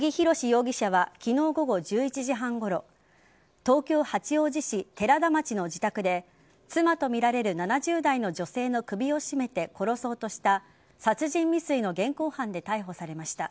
容疑者は昨日午後１１時半ごろ東京・八王子市寺田町の自宅で妻とみられる７０代の女性の首を絞めて殺そうとした殺人未遂の現行犯で逮捕されました。